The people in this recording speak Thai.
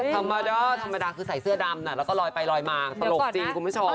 ธรรมดาเด้อธรรมดาคือใส่เสื้อดำแล้วก็ลอยไปลอยมาตลกจริงคุณผู้ชม